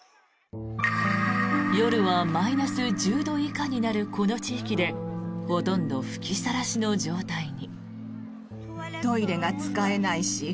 夜はマイナス１０度以下になるこの地域でほとんど吹きさらしの状態に。